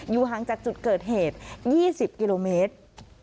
ห่างจากจุดเกิดเหตุ๒๐กิโลเมตร